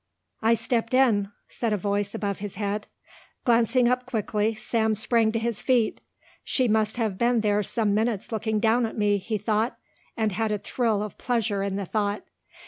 "I stepped in," said a voice above his head. Glancing up quickly, Sam sprang to his feet. "She must have been there some minutes looking down at me," he thought, and had a thrill of pleasure in the thought.